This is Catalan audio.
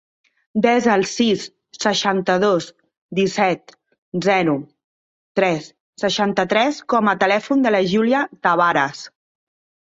Desa el sis, seixanta-dos, disset, zero, tres, seixanta-tres com a telèfon de la Giulia Tavares.